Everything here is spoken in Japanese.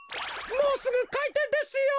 もうすぐかいてんですよ！